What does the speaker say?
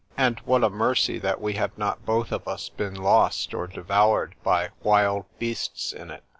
and what a mercy that we have not both of us been lost, or devoured by wild beasts in it!